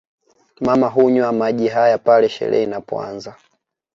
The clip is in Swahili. Mama hunywa maji haya pale sherehe inapoanza